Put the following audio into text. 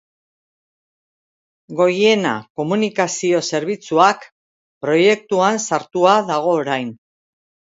Goiena Komunikazio Zerbitzuak proiektuan sartua dago orain.